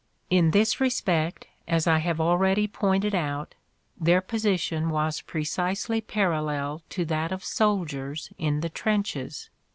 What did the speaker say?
In this respect, as I have already pointed out, their position was precisely parallel to that of soldiers in the trenches.